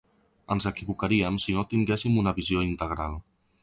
Ens equivocaríem si no tinguéssim una visió integral.